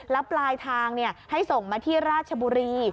แล้วปลายทางให้ส่งมาที่ราชบุรี